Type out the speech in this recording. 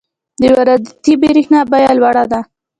د وارداتي برښنا بیه لوړه ده.